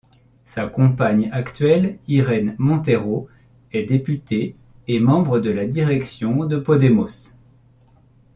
Sa compagne actuelle Irene Montero est députée et membre de la direction de Podemos.